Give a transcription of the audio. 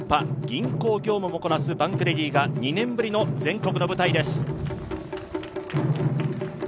銀行業務もこなすバンクレディーが２年ぶりの全国の舞台です。